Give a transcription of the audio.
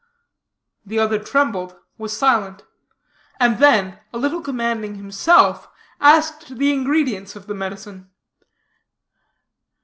The other trembled, was silent; and then, a little commanding himself, asked the ingredients of the medicine.